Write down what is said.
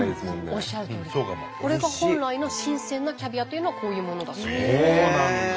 おっしゃるとおりこれが本来の新鮮なキャビアというのはこういうものだそうです。